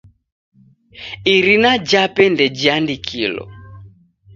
Irina jape ndejiandikilo.